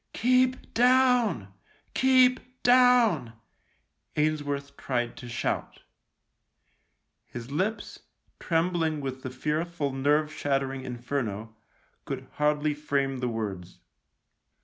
" Keep down, keep down !" Ainsworth tried to shout. His lips, trembling with the fearful nerve shattering inferno, could hardly THE LIEUTENANT 33 frame the words.